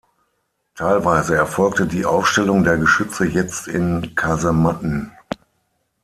Teilweise erfolgte die Aufstellung der Geschütze jetzt in Kasematten.